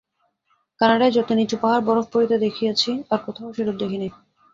কানাডায় যত নীচু পাহাড়ে বরফ পড়িতে দেখিয়াছি, আর কোথাও সেরূপ দেখি নাই।